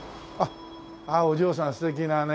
あっお嬢さん素敵なね。